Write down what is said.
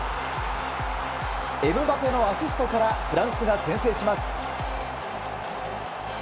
エムバペのアシストからフランスが先制します。